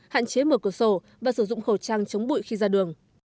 hạn chế mở cửa sổ và sử dụng khẩu trang chống bụi khi ra đường